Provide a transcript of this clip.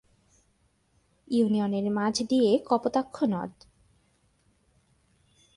ইউনিয়নের মাঝ দিয়ে কপোতাক্ষ নদ।